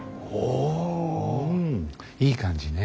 うんいい感じね。